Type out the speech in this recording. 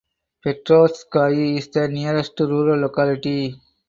Petrovskaya is the nearest rural locality.